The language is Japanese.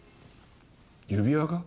指輪が？